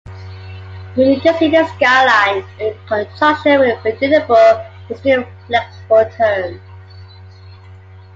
We need to see the sky line in conjunction with predictable, but still flexible terms.